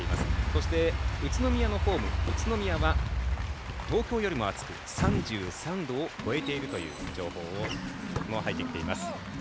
そして、宇都宮のホーム宇都宮は東京よりも暑く３３度を超えているという情報が入ってきています。